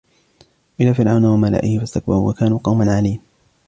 إلى فرعون وملئه فاستكبروا وكانوا قوما عالين